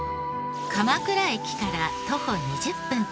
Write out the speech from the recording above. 鎌倉駅から徒歩２０分。